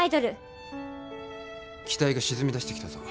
機体が沈みだしてきたぞ。